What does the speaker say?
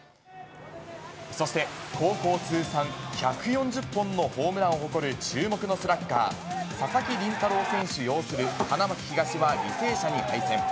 そして、高校通算１４０本のホームランを誇る注目のスラッガー、佐々木麟太郎選手擁する花巻東は履正社に敗戦。